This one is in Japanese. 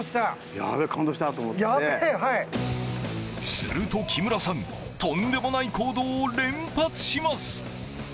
すると、木村さんとんでもない行動を連発します。